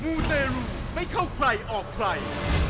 มูเตรุไม่เข้าใครออกใคร